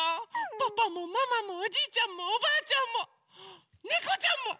パパもママもおじいちゃんもおばあちゃんもねこちゃんも！